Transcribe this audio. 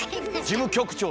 事務局長。